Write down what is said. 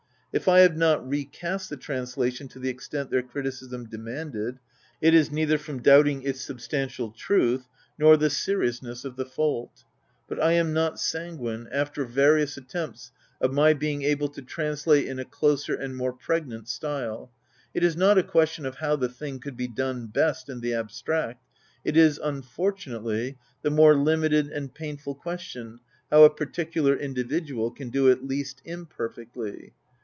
If I have not recast the translation to the extent their criticism demanded, it is neither from doubting its substantial truth, nor the seriousness of xxxii THE HOUSE OF ATREUS the fault. But I am not sanguine, after various attempts, of my being able to translate in a closer and more pregnant style. It is not a question of how the thing could be done best, in the abstract ; it is, unfortunately, the more limited and painful question, how a particular individual can do it least imperfectly.